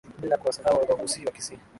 bila kuwasahau Abhaghusii Wakisii